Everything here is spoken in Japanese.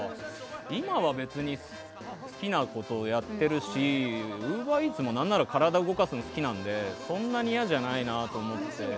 今は別に好きなことをやっているしウーバーイーツも体動かすのが好きなのでそんなに嫌じゃないなと。